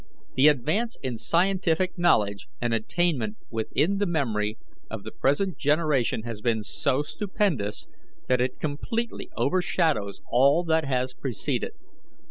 The advance in scientific knowledge and attainment within the memory, of the present generation has been so stupendous that it completely overshadows all that has preceded.